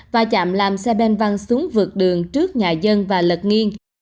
va chạm làm xe bên văng xuống vượt đường trước nhà dân và lật nghiêng